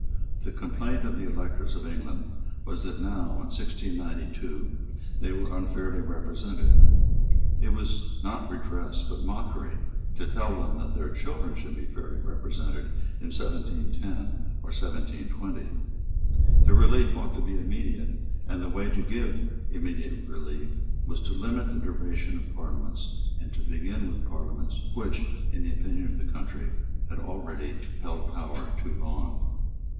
The complaint of the electors of England was that now, in 1692, they were unfairly represented. It was not redress, but mockery, to tell them that their children should be fairly represented in 1710 or 1720. The relief ought to be immediate; and the way to give immediate relief was to limit the duration of Parliaments, and to begin with that Parliament which, in the opinion of the country, had already held power too long.